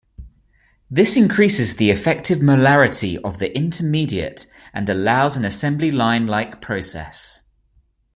This increases the effective molarity of the intermediate and allows an assembly line-like process.